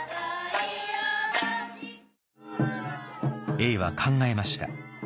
永は考えました。